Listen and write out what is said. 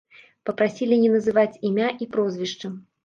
Папрасілі не называць імя і прозвішча.